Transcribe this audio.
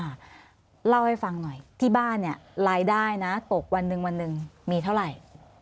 เล่าให้ฟังหน่อยที่บ้านเนี่ยรายได้นะตกวันหนึ่งวันหนึ่งมีเท่าไหร่